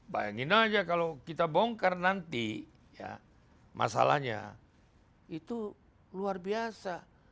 bayangin aja kalau kita bongkar nanti masalahnya itu luar biasa